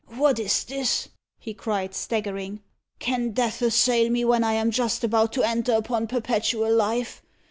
"What is this?" he cried, staggering. "Can death assail me when I am just about to enter upon perpetual life?